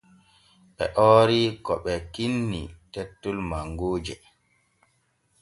Ɓe oori ko ɓee kinni tettol mangooje.